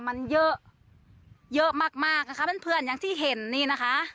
มันเยอะเยอะมากมากนะคะเพื่อนอย่างที่เห็นนี่นะคะ